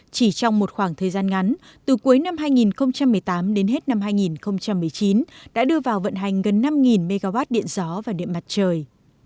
chỉ trong một khoảng thời gian ngắn từ cuối năm hai nghìn một mươi tám đến hết năm hai nghìn một mươi chín đã đưa vào vận hành gần năm mw điện gió và điện mặt trời